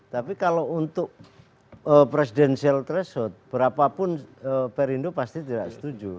tapi kalau untuk presidensial threshold berapapun perindo pasti tidak setuju